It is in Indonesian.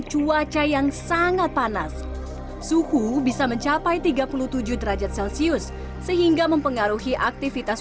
cuaca yang sangat panas suhu bisa mencapai tiga puluh tujuh derajat celcius sehingga mempengaruhi aktivitas